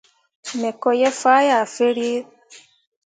Me ko ye faa yah firere.